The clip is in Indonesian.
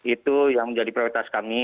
itu yang menjadi prioritas kami